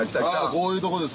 こういうとこです